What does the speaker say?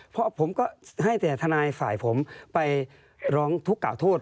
เพราะผมก็ให้แต่ทนายฝ่ายผมไปร้องทุกข่าโทษ